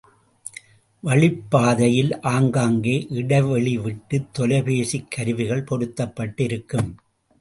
வழிப்பாதையில் ஆங்காங்கே இடைவெளி விட்டுத் தொலைபேசிக் கருவிகள் பொருத்தப்பட்டு இருக்கும்.